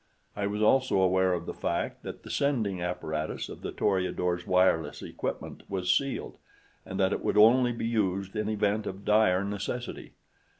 I was also aware of the fact that the sending apparatus of the Toreador's wireless equipment was sealed, and that it would only be used in event of dire necessity.